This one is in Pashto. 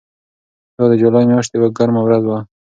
دا د جولای میاشتې یوه ګرمه ورځ وه.